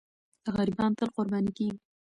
غریبان تل قرباني کېږي.